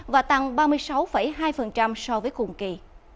và tăng ba mươi sáu hai so với cùng kỳ